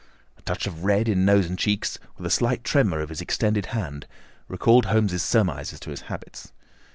A touch of red in nose and cheeks, with a slight tremor of his extended hand, recalled Holmes' surmise as to his habits.